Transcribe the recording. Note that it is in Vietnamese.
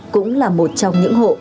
cũng là một trong những hộ